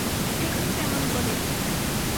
এখন কেমন করে?